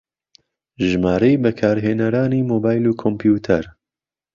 ژمارەی بەکارهێنەرانی مۆبایل و کۆمپیوتەر